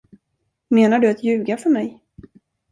Menar du att ljuga för mig?